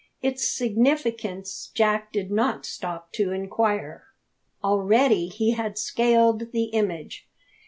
Its significance Jack did not stop to inquire. Already he had scaled the image.